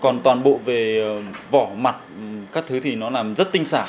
còn toàn bộ về vỏ mặt các thứ thì nó làm rất tinh xảo